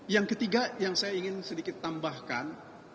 yang ketiga yang saya ingin sedikit tambahkan